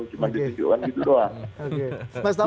cuma ditujukan gitu doang